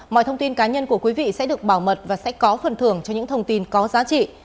mọi thông tin cá nhân của quý vị sẽ được bảo mật và sẽ có phần thưởng cho những thông tin có giá trị